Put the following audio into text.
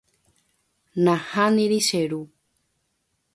Nahániri che ru.